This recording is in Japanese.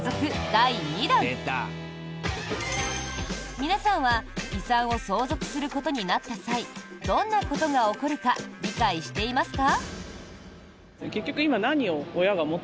皆さんは遺産を相続することになった際どんなことが起こるか理解していますか？